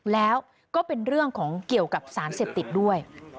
แล้วก็เป็นเรื่องของเกี่ยวกับสารเสพติดด้วย